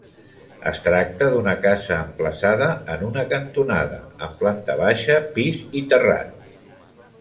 Es tracta d'una casa emplaçada en una cantonada, amb planta baixa, pis i terrat.